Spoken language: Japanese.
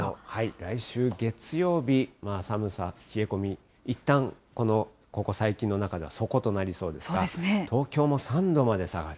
来週月曜日、寒さ、冷え込み、いったん、ここ最近の中では底となりそうですが、東京も３度まで下がる。